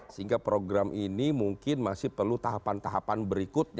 sehingga program ini mungkin masih perlu tahapan tahapan berikutnya